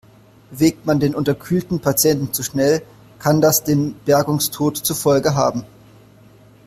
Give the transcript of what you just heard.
Bewegt man den unterkühlten Patienten zu schnell, kann das den Bergungstod zur Folge haben.